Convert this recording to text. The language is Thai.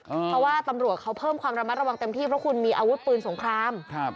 เพราะว่าตำรวจเขาเพิ่มความระมัดระวังเต็มที่เพราะคุณมีอาวุธปืนสงครามครับ